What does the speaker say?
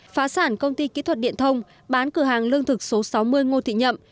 phá sản công ty kỹ thuật điện thông bán cửa hàng lương thực số sáu mươi ngô thị nhậm